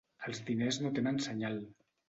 Els diners no tenen senyal.